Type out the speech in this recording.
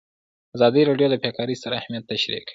ازادي راډیو د بیکاري ستر اهميت تشریح کړی.